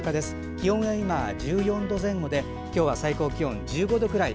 気温が今１４度前後で今日は最高気温１５度くらい。